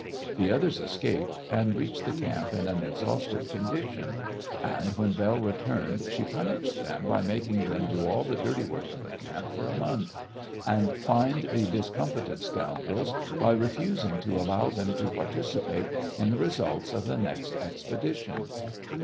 The others escaped, and reached the camp in an exhausted condition, and when Belle returned she punished them by making them do all the dirty work of the camp for a month, and fined the discomfited scoundrels by refusing to allow them to participate in the results of the next expedition.